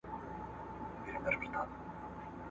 زما امام دی !.